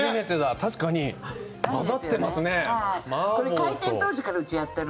確かに混ざってますね。